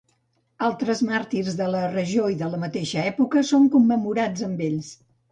Altres màrtirs de la regió i de la mateixa època són commemorats amb ells.